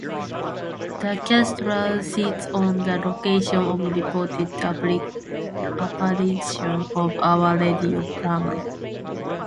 The cathedral sits on the location of reported apparitions of Our Lady of Palmar.